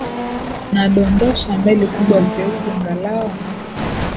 Nadondosha meli kubwa seuze ngalawa.